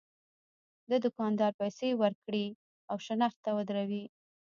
د دوکاندار پیسې ورکړي او شنخته ودروي.